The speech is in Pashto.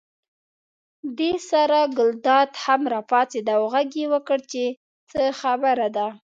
دې سره ګلداد هم راپاڅېد او غږ یې وکړ چې څه خبره ده.